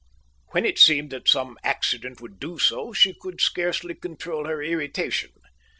When it seemed that some accident would do so, she could scarcely control her irritation.